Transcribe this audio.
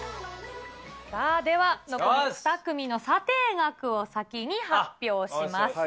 さあ、では残り２組の査定額を先に発表します。